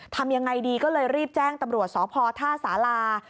ทำยังไงดีก็เลยรีบแจ้งตำรวจสพท่าสารา